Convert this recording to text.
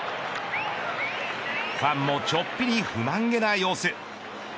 ファンもちょっぴり不満げな様子。